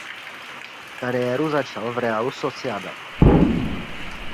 Kariéru začal v Realu Sociedad.